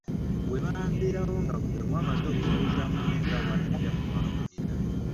We baaviiraawo nga buli omu yali amaze okusuubiza munne nga bwatajja kumwabulira.